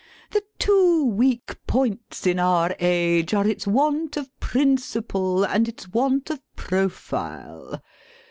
The two weak points in our age are its want of principle and its want of profile.